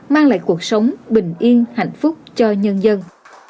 mang lại cuộc sống bình yên hạnh phúc cho nhân dân